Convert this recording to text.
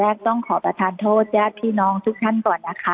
ต้องขอประทานโทษญาติพี่น้องทุกท่านก่อนนะคะ